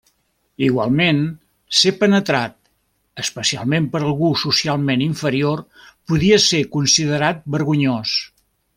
Igualment, ser penetrat, especialment per algú socialment inferior, podia ser considerat vergonyós.